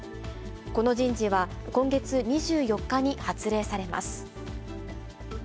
この人事は、今月２４日に発令されます。